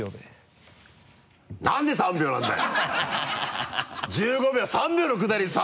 「何で３秒なんだよ！」